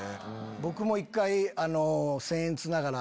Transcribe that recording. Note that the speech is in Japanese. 僕も一回せんえつながら。